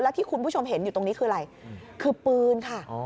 ที่คุณผู้ชมเห็นอยู่ตรงนี้คืออะไรคือปืนค่ะ